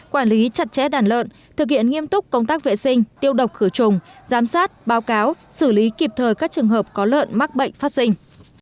quản lý chặt chẽ đàn lợn thực hiện nghiêm túc công tác vệ sinh tiêu độc khử trùng giám sát báo cáo xử lý kịp thời các trường hợp có lợn mắc bệnh phát sinh